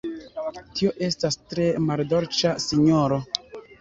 Tio estas tre maldolĉa, sinjoro!